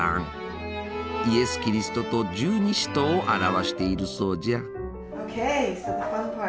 イエス・キリストと十二使徒を表しているそうじゃ。